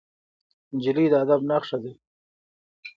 نجلۍ د ادب نښه ده.